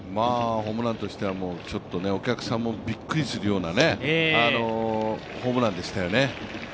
ホームランとしてはちょっとね、お客さんもびっくりするようなホームランでしたよね。